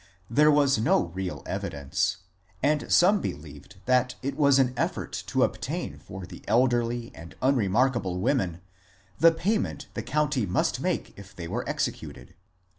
There was no real evidence, and some believed that it was an effort to obtain for the elderly and unmarketable women the payment the county must make if they were executed.